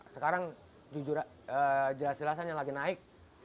sekarang jujur jelas jelasan yang lagi naik